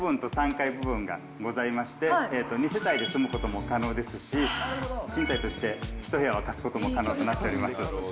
２階部分と３階部分がございまして、２世帯で住むことも可能ですし、賃貸として１部屋を貸すことも可能となっております。